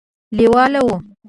لېواله وو.